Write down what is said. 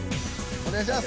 お願いします。